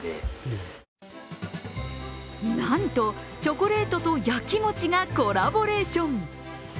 なんと、チョコレートと焼き餅がコラボレーション。